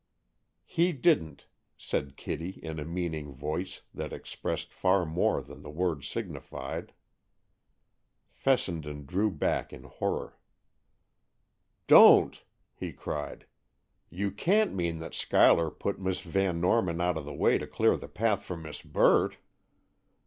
"He didn't," said Kitty in a meaning voice that expressed far more than the words signified. Fessenden drew back in horror. "Don't!" he cried. "You can't mean that Schuyler put Miss Van Norman out of the way to clear the path for Miss Burt!"